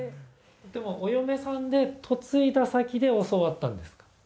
でもお嫁さんで嫁いだ先で教わったんですか？